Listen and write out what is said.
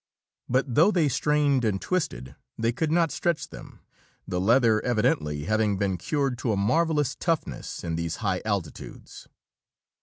But though they strained and twisted, they could not stretch them, the leather evidently having been cured to a marvelous toughness in these high altitudes.